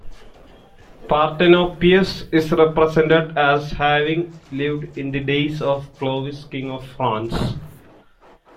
Partenopeus is represented as having lived in the days of Clovis, king of France.